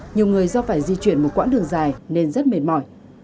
nhiều người do phải di chuyển một quãng đường dài nên rất mệt mỏi